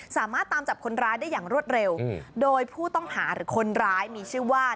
สามารถตามจับคนร้ายได้อย่างรวดเร็วโดยผู้ต้องหาหรือคนร้ายมีชื่อว่า